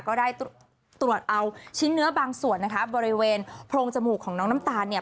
ก็ได้ตรวจเอาชิ้นเนื้อบางส่วนนะคะบริเวณโพรงจมูกของน้องน้ำตาลเนี่ย